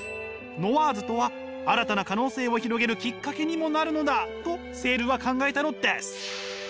ノワーズとは新たな可能性を広げるきっかけにもなるのだとセールは考えたのです！